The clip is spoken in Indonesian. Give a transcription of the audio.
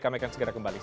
kami akan segera kembali